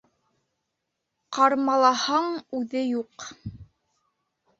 Ҡармалаһаң үҙе юҡ.